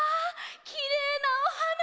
きれいなおはな！